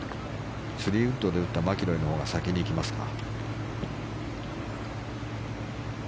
３ウッドで打ったマキロイのほうが先に行きますか。